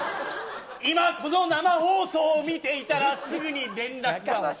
今この生放送を見ていたら、すぐに連絡を。